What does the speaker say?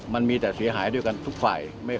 มันมีแต่เสียหายด้วยกันทุกฝ่าย